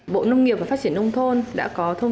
bộ nông nghiệp và phát triển nông thôn đã có thông